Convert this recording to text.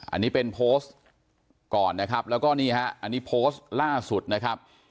อันนี้เป็นโพสต์ก่อนนะครับแล้วก็นี่ฮะอันนี้โพสต์ล่าสุดนะครับ